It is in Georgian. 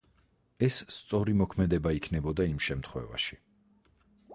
ეს სწორი მოქმედება იქნებოდა იმ შემთხვევაში.